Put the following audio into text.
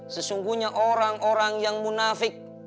sesungguhnya orang orang yang munafik